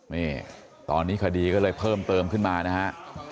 นี่ตอนนี้คดีก็เลยเพิ่มเติมขึ้นมานะฮะ